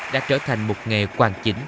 đã trở thành một nghề hoàn chỉnh